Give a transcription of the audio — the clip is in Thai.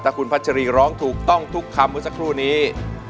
คุณพัชรีร้องถูกต้องทุกคำเมื่อสักครู่นี้